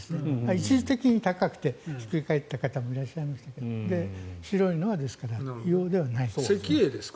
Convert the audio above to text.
一時的に高くてひっくり返った方もいらっしゃいましたけど白いのはですから、硫黄ではないです。